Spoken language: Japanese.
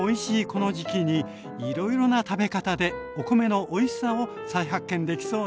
この時期にいろいろな食べ方でお米のおいしさを再発見できそうな予感。